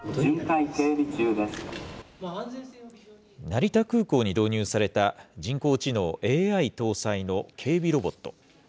成田空港に導入された人工知能・ＡＩ搭載の警備ロボット。